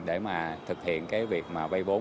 để mà thực hiện cái việc mà vai vốn